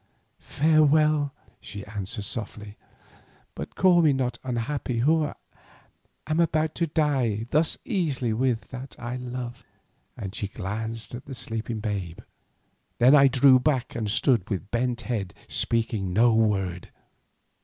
"Farewell," she answered softly, "but call me not unhappy who am about to die thus easily with that I love." And she glanced at the sleeping babe. Then I drew back and stood with bent head, speaking no word.